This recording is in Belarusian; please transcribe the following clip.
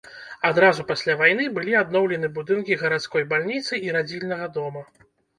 Адразу пасля вайны былі адноўлены будынкі гарадской бальніцы і радзільнага дома.